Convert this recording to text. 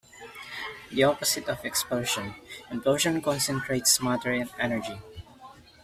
The opposite of explosion, implosion concentrates matter and energy.